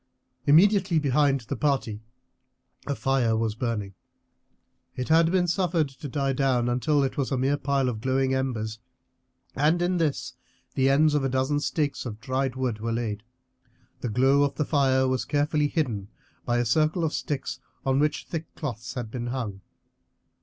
Immediately behind the party a fire was burning; it had been suffered to die down until it was a mere pile of glowing embers, and in this the ends of a dozen stakes of dried wood were laid. The glow of the fire was carefully hidden by a circle of sticks on which thick cloths had been hung.